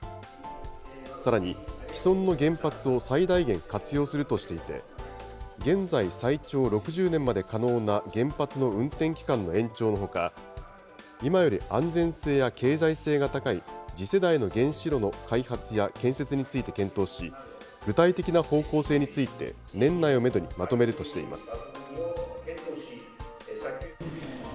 さらに、既存の原発を最大限活用するとしていて、現在、最長６０年まで可能な原発の運転期間の延長のほか、今より安全性や経済性が高い、次世代の原子炉の開発や建設について検討し、具体的な方向性について年内をメドにまとめるとしています。